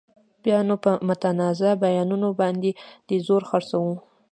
بیا نو په متنازعه بیانونو باندې زور خرڅوو.